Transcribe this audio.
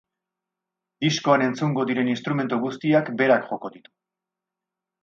Diskoan etzungo diren instrumentu guztiak berak joko ditu.